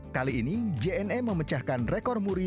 kali ini jna memecahkan rekor muri